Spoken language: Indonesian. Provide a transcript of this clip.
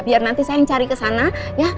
biar nanti saya yang cari ke sana ya